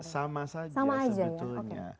sama saja sebetulnya